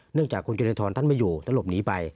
จากคุณเจริญทรท่านไม่อยู่ท่านหลบหนีไป